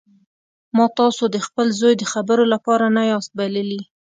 ما تاسو د خپل زوی د خبرو لپاره نه یاست بللي